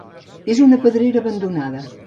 És una pedrera abandonada.